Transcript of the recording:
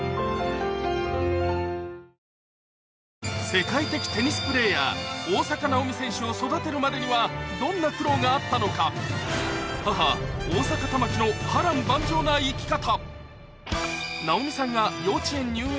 世界的テニスプレーヤー大坂なおみ選手を育てるまでにはどんな苦労があったのか夫各地で行われています